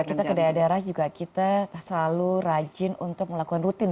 kita ke daerah daerah juga kita selalu rajin untuk melakukan rutin